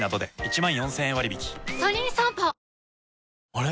あれ？